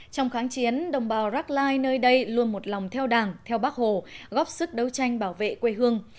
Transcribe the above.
trong kháng chiến đồng bào rackline nơi đây luôn một lòng theo đảng theo bác hồ góp sức đấu tranh bảo vệ quê hương